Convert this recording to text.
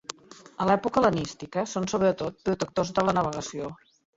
A l'època hel·lenística són sobretot protectors de la navegació.